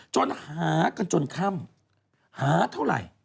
จนหากันจนค่ำหาเท่าไหร่